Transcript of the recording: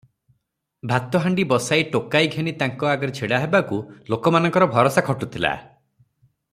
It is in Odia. ଭାତ ହାଣ୍ତି ବସାଇ ଟୋକାଇ ଘେନି ତାଙ୍କ ଆଗରେ ଛିଡ଼ାହେବାକୁ ଲୋକମାନଙ୍କର ଭରସା ଖଟୁଥିଲା ।